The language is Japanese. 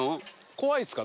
怖いですか？